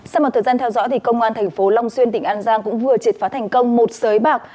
sau một thời gian theo dõi thì công an thành phố long xuyên tỉnh an giang cũng vừa triệt phá thành công một sới bạc